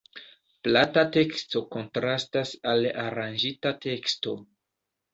Plata teksto kontrastas al aranĝita teksto.